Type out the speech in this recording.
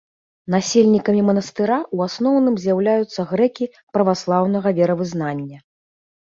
Насельнікамі манастыра ў асноўным з'яўляюцца грэкі праваслаўнага веравызнання.